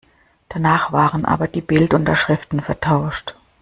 Danach waren aber die Bildunterschriften vertauscht.